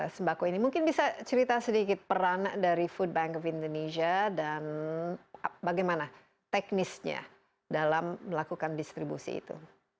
sembako ini mungkin bisa cerita sedikit peran dari food bank of indonesia dan bagaimana teknisnya dalam melakukan distribusi itu